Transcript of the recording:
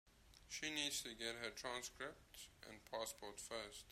She needs to get her transcripts and passport first.